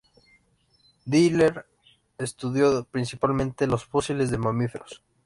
Diller estudió principalmente los fósiles de mamíferos.